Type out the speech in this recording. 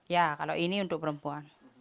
ya kalau ini untuk perempuan